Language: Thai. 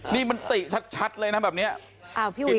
นี่มันติชัดเลยนะแบบเนี้ยอ้าวพี่อุ๋ยเก่า